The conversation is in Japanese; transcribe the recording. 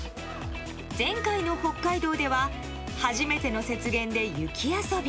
前回の北海道では初めての雪原で雪遊び。